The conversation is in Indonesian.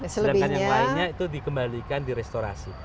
sedangkan yang lainnya itu dikembalikan di restorasi